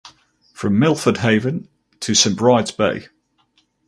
From Milford Haven to St Brides Bay.